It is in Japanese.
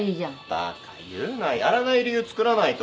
バカ言うな。やらない理由つくらないと。